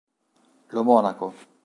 Lo Monaco